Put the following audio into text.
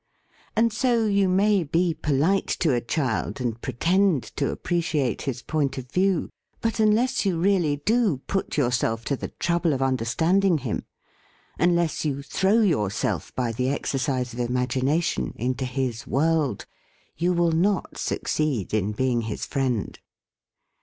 And so you may be polite to a child, and pretend to appreciate his point of view; but, unless you really do put yourself to the trouble of understand ing him, unless you throw yourself, by the exercise of imagination, into his world, you will not succeed in being his friend.